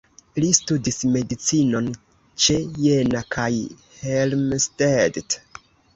Li studis medicinon ĉe Jena kaj Helmstedt.